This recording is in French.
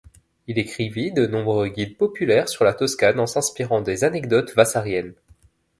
Il écrivit de nombreux guides populaires sur la Toscane en s'inspirant des anecdotes vasariennes.